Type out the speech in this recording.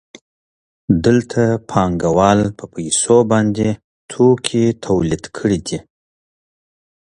دلته پانګوال په پیسو باندې توکي تولید کړي دي